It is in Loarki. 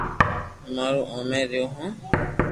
امو او مي رھيو ھون